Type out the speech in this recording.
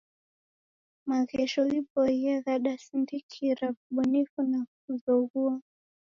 Maghesho ghiboiye ghadasindikira wubunifu na kuzoghua.